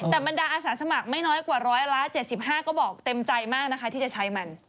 แต่บรรดาอาสาสมัครไม่น้อยกว่าร้อยละ๗๕ก็บอกเต็มใจมากนะคะที่จะใช้มัน